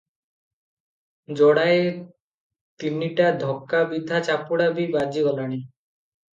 ଯୋଡ଼ାଏ ତିନିଟା ଧକା ବିଧା ଚାପୁଡ଼ା ବି ବାଜିଗଲାଣି ।